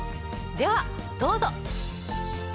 ではどうぞ。